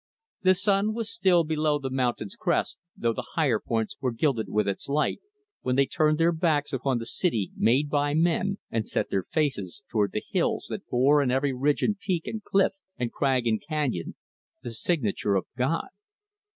The sun was still below the mountain's crest, though the higher points were gilded with its light, when they turned their backs upon the city made by men, and set their faces toward the hills that bore in every ridge and peak and cliff and crag and canyon the signature of God.